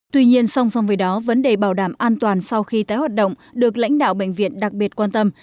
tuy nhiên song song với đó vấn đề bảo đảm an toàn sau khi tái hoạt động được lãnh đạo bệnh viện đặc biệt quan tâm